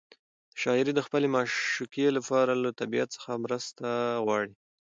شاعر د خپلې معشوقې لپاره له طبیعت څخه مرسته غواړي.